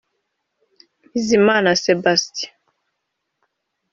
Bizimana Sebastien